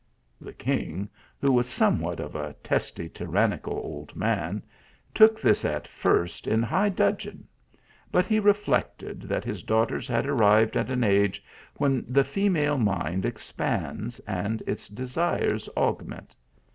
The king, who was somewhat of a testy, tyranni cal old man, took this at first in high dudgeon ; but he reflected that his daughters had arrived at an age when the female mind expands and its desires aug ment.